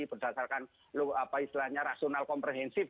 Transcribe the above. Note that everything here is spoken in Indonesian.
berdasarkan rasional komprehensif